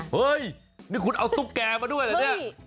เฮ้ยนี่คุณเอาตุ๊กแกมาด้วยเหรอเนี่ย